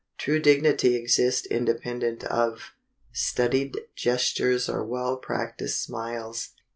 True dignity exists independent of— "Studied gestures or well practiced smiles."